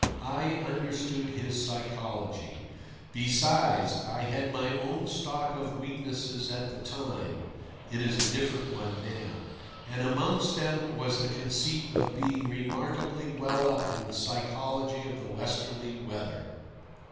I understood his psychology. Besides, I had my own stock of weaknesses at the time (it is a different one now), and amongst them was the conceit of being remarkably well up in the psychology of the Westerly weather.